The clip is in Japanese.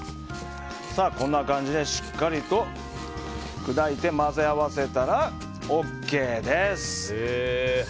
こんな感じでしっかりと砕いて混ぜ合わせたらＯＫです。